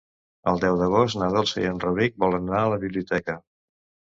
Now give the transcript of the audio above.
El deu d'agost na Dolça i en Rauric volen anar a la biblioteca.